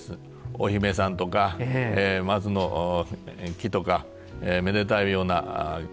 お姫さんとか松の木とかめでたいような絵ですね。